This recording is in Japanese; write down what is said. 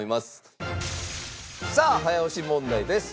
さあ早押し問題です。